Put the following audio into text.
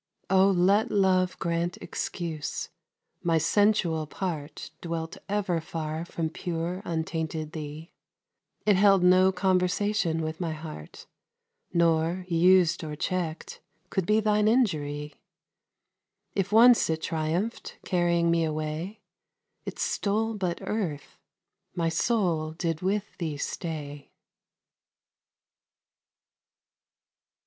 O let love grant excuse; my sensual part Dwelt ever far from pure untainted thee; It held no conversation with my heart, Nor, us'd or check'd, could be thine injury. If once it triumph'd, carrying me away, It stole but earth; my soul did with thee stay.